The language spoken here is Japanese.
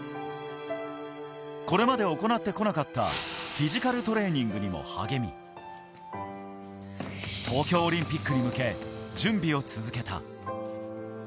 これまで行ってこなかったフィジカルトレーニングにも励み、東京オリンピックに向け準備を続けた。